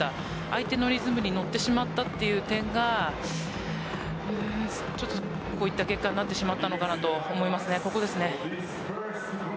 相手のリズムに乗ってしまったという点がこういった結果になってしまったのかなと思います。